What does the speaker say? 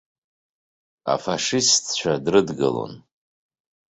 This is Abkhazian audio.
Афашистцәа дрыдгылон!